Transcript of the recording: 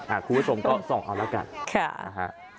คุณผู้ชมก็ส่องเอาแล้วกันค่ะนะฮะ